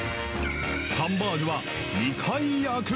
ハンバーグは２回焼く。